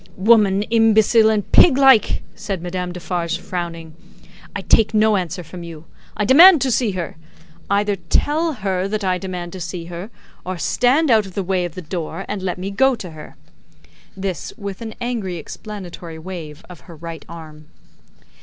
"Woman imbecile and pig like!" said Madame Defarge, frowning. "I take no answer from you. I demand to see her. Either tell her that I demand to see her, or stand out of the way of the door and let me go to her!" This, with an angry explanatory wave of her right arm.